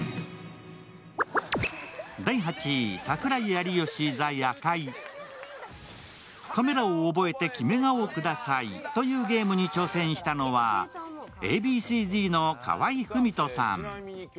有栖の衝撃の言葉に「カメラを覚えてキメ顔してください」というゲームに挑戦したのはＡ．Ｂ．Ｃ−Ｚの河合郁人さん。